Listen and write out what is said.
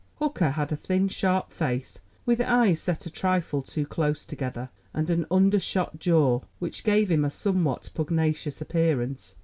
Hooker had a thin, sharp face, with eyes set a trifle too close together, and an undershot jaw, which gave him a somewhat pugnacious appearance.